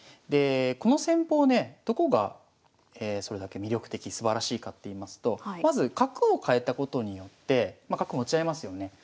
でこの戦法ねどこがそれだけ魅力的すばらしいかっていいますとまず角を換えたことによってまあ角持ち合いますよね。